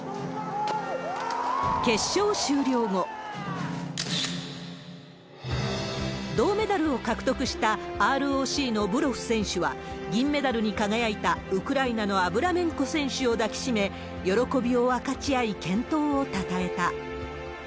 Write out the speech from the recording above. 決勝終了後、銅メダルを獲得したＲＯＣのブロフ選手は、銀メダルに輝いたウクライナのアブラメンコ選手を抱き締め、喜びを分かち合い健闘をたたえた。